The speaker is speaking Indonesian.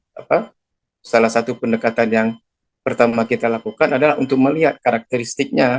jadi salah satu pendekatan yang pertama kita lakukan adalah untuk melihat karakteristiknya